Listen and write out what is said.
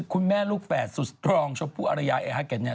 คุณแม่ลูกแฝดสุดสตรองชมพู่อรยาเอฮาเก็ตเนี่ย